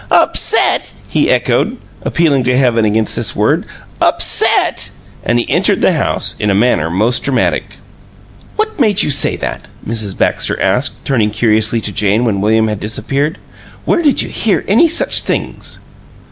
"'Upset'!" he echoed, appealing to heaven against this word. "'Upset'!" And he entered the house in a manner most dramatic. "What made you say that?" Mrs. Baxter asked, turning curiously to Jane when William had disappeared. "Where did you hear any such things?"